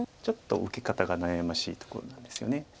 ちょっと受け方が悩ましいところなんですよね。